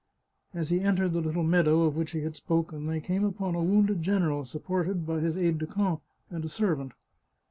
As he entered the little meadow of which he had spoken they came upon a wounded general supported by his aide de camp and a serv ant.